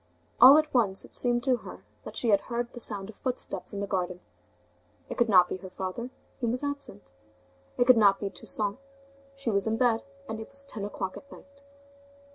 All at once, it seemed to her that she heard the sound of footsteps in the garden. It could not be her father, he was absent; it could not be Toussaint, she was in bed, and it was ten o'clock at night.